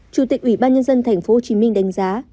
chủ tịch ủy ban nhân dân tp hcm đánh giá